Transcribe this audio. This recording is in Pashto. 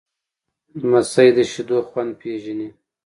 لمسی د شیدو خوند پیژني.